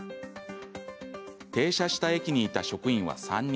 停車した駅にいた職員は３人。